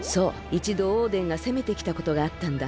いちどオーデンがせめてきたことがあったんだ。